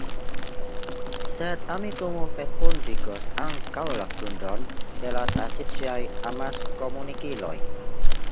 Sed Amikumu fekundigos ankaŭ la grundon de la tradiciaj amaskomunikiloj.